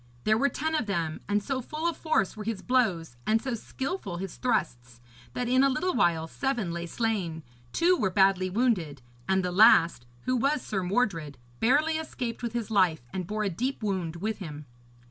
There were ten of them, and so full of force were his blows and so skilful his thrusts, that in a little while seven lay slain, two were badly wounded, and the last, who was Sir Mordred, barely escaped with his life, and bore a deep wound with him.